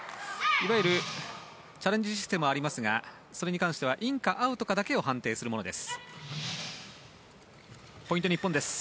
いわゆるチャレンジシステムはありますがそれに関してはインかアウトかのみを判定するものです。